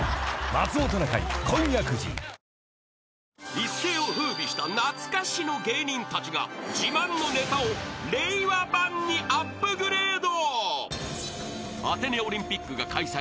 ［一世を風靡した懐かしの芸人たちが自慢のネタを令和版にアップグレード］